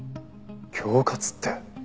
恐喝って。